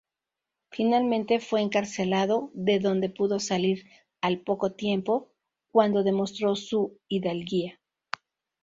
Finalmente fue encarcelado, de donde pudo salir al poco tiempo cuando demostró su hidalguía.